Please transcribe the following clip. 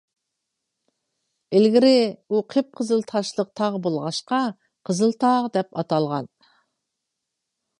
ئىلگىرى ئۇ قىپقىزىل تاشلىق تاغ بولغاچقا، «قىزىلتاغ» دەپ ئاتالغان.